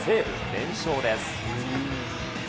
連勝です。